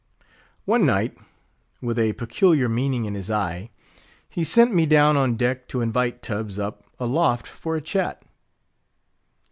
One night, with a peculiar meaning in his eye, he sent me down on deck to invite Tubbs up aloft for a chat.